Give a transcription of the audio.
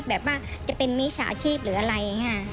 แบบว่าจะเป็นมิชาชีพหรืออะไร